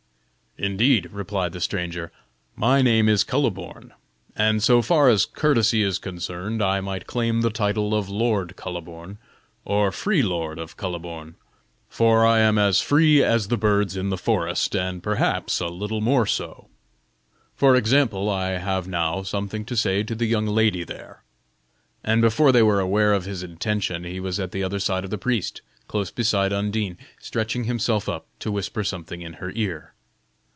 "Indeed," replied the stranger; "my name is Kuhleborn, and so far as courtesy is concerned I might claim the title of Lord of Kuhleborn, or free Lord of Kuhleborn; for I am as free as the birds in the forest and perhaps a little more so. For example, I have now something to say to the young lady there." And before they were aware of his intention, he was at the other side of the priest, close beside Undine, stretching himself up to whisper something in her ear.